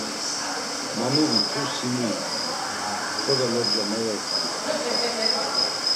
“Ma mu vit̆ur si mu ikum!” ya; “Ǩoda lobca mevobğam hako da!”